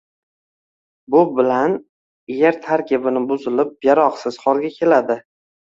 Bu bilan er tarkibi buzilib, yaroqsiz holga keladi